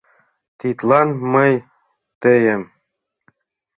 — Тидлан мый тыйым!!!